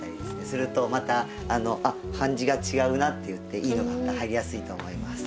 するとまたあっ感じが違うなっていっていいのがまた入りやすいと思います。